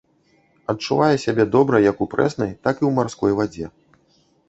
Адчувае сябе добра як у прэснай, так і ў марской вадзе.